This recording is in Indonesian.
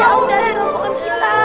jauh dari rombongan kita